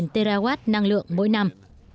một mươi ba terawatt năng lượng mỗi năm